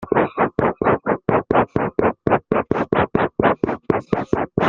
Mais cela pose problème puisque ces derniers ne se supportent pas...